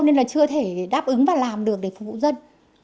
nên là chưa thể đáp ứng và làm được để phục vụ dân